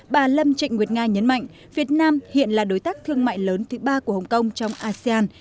bà lâm trịnh nguyệt nga nhấn mạnh việt nam hiện là đối tác thương mại lớn thứ ba của hồng kông trong asean